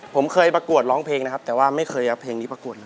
ผมเคยประกวดร้องเพลงนะครับแต่ว่าไม่เคยเอาเพลงนี้ประกวดเลย